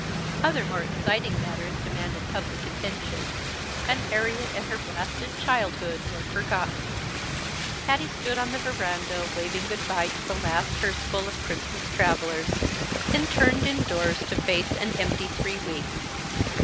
Other more exciting matters demanded public attention; and Harriet and her blasted childhood were forgotten. Patty stood on the veranda waving good by to the last hearseful of Christmas travelers, then turned indoors to face an empty three weeks.